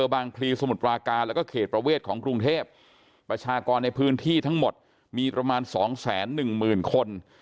เบอร์บางพรีสมุดปราการแล้วก็เขตประเวทของกรุงเทพประชากรในพื้นที่ทั้งหมดมีประมาณสองแสนหนึ่งหมื่นคน